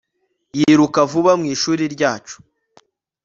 yiruka vuba mwishuri ryacu